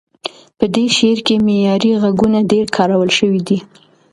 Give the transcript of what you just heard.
په دې شعر کې معیاري غږونه ډېر کارول شوي دي.